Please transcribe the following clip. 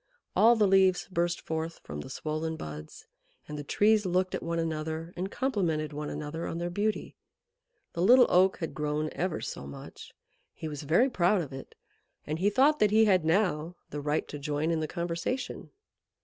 All the leaves burst forth from the swollen buds, and the Trees looked at one another and complimented one another on their beauty. The Little Oak had grown ever so much. He was very proud of it, and he thought that he had now the right to join in the conversation.